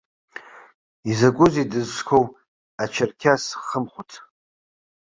Изакәызеи дызҿқәоу, ачарқьас хымхәыц!